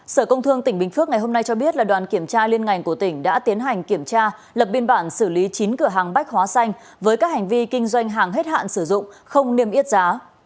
sở công thương tỉnh bình phước ngày hôm nay cho biết là đoàn kiểm tra liên ngành của tỉnh đã tiến hành kiểm tra lập biên bản xử lý chín cửa hàng bách hóa xanh với các hành vi kinh doanh hàng hết hạn sử dụng không niêm yết giá